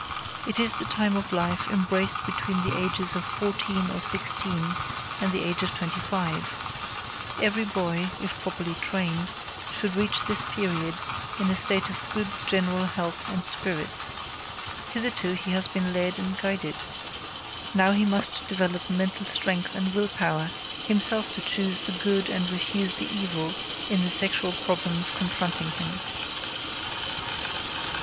It is the time of life embraced between the ages of fourteen or sixteen and the age of twenty five. Every boy, if properly trained, should reach this period in a state of good general health and spirits. Hitherto he has been led and guided. Now he must develop mental strength and will power himself to choose the good and refuse the evil in the sexual problems confronting him.